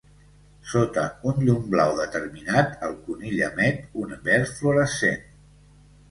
Sota un llum blau determinat, el conill emet un verd fluorescent.